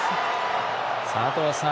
佐藤さん